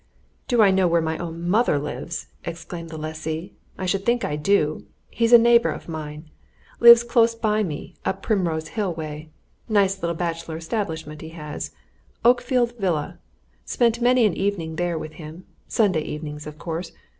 "Do I know where my own mother lives!" exclaimed the lessee. "I should think I do! He's a neighbour of mine lives close by me, up Primrose Hill way. Nice little bachelor establishment he has Oakfield Villa. Spent many an evening there with him Sunday evenings, of course.